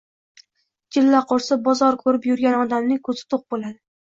Jilla qursa, bozor ko‘rib yurgan odamning ko‘zi to‘q bo‘ladi.